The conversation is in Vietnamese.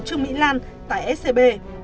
trước mỹ lan tại scb